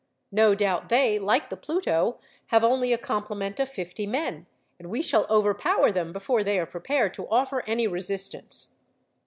No doubt they, like the Pluto, have only a complement of fifty men, and we shall overpower them before they are prepared to offer any resistance.